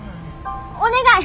お願い！